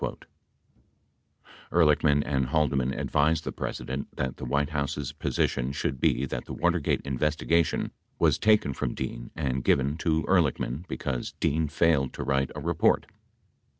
Ehrlichman and Haldeman advised the President that the White House's position should be that the Watergate investigation was taken from Dean and given to Ehr lichman because Dean failed to write a report.